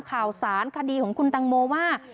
ข่าวสารคดีของคุณตังโมว่า